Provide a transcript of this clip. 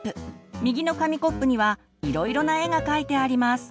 右の紙コップにはいろいろな絵が描いてあります。